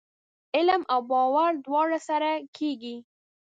علم او باور دواړه سره کېږي ؟